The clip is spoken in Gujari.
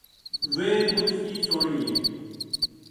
ویہ مُچ ہی سوہنی ہیں